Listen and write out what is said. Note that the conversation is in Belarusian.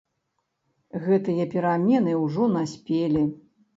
Гэтыя перамены ўжо наспелі.